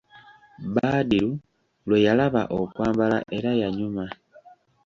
Badru lwe yalaba okwambala era yanyuma.